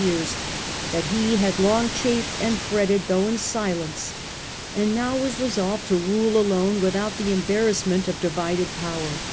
^eT ears that he had long chafed and fretted, though in silence, and now was resolved to rule alone without the embarrassment of divided power.